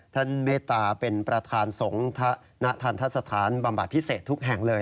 ท่านเมตตาเป็นประธานสงฆ์นทรรษฐานบำบัดพิเศษทุกแห่งเลย